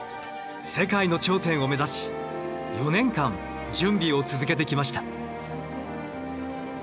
世界の頂点を目指し４年間準備を続けてきました。